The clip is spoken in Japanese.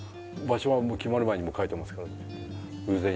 場所は決まる前に書いてますからって言って。